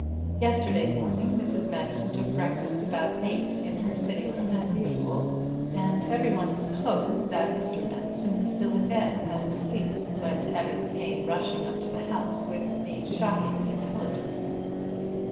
Yesterday morning Mrs. Manderson took breakfast about eight in her sitting room as usual, and everyone supposed that Mr. Manderson was still in bed and asleep when Evans came rushing up to the house with the shocking intelligence."